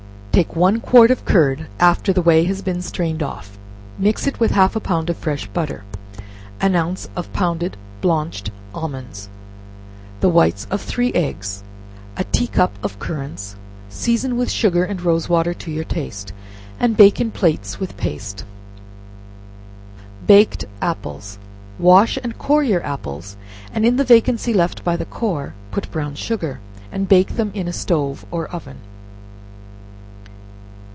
Take one quart of curd, after the whey has been strained off, mix with it half a pound of fresh butter, an ounce of pounded blanched almonds, the whites of three eggs, a tea cup of currants; season with sugar and rose water to your taste, and bake in plates with paste. Baked Apples. Wash and core your apples, and in the vacancy left by the core, put brown sugar, and bake them in a stove or oven.